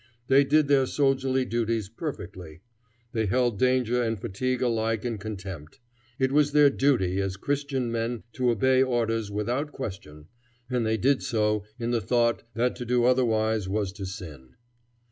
They did their soldierly duties perfectly. They held danger and fatigue alike in contempt. It was their duty as Christian men to obey orders without question, and they did so in the thought that to do otherwise was to sin.